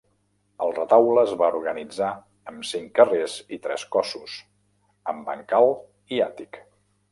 El retaule es va organitzar amb cinc carrers i tres cossos, amb bancal i àtic.